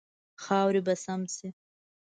خاورې به سم شي.